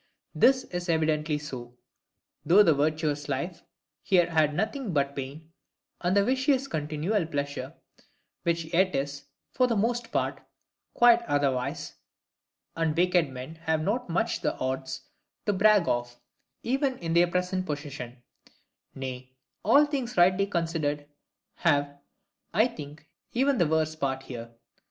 This is evidently so, though the virtuous life here had nothing but pain, and the vicious continual pleasure: which yet is, for the most part, quite otherwise, and wicked men have not much the odds to brag of, even in their present possession; nay, all things rightly considered, have, I think, even the worse part here.